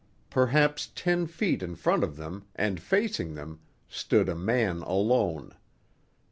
Perhaps ten feet in front of them, and facing them, stood a man alone.